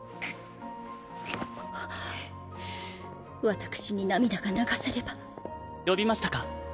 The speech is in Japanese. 私に涙が流せれば・コツコツ呼びましたか？